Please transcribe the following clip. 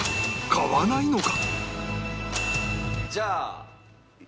買わないのか？